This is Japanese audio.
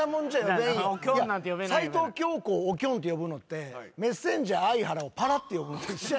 齊藤京子をおきょんって呼ぶのってメッセンジャーあいはらをパラって呼ぶのと一緒やから。